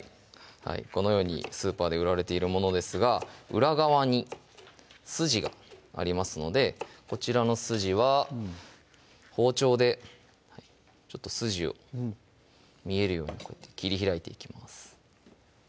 このようにスーパーで売られているものですが裏側に筋がありますのでこちらの筋は包丁で筋を見えるように切り開いていきます